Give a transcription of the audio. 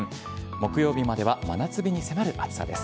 木曜日までは真夏日に迫る暑さです。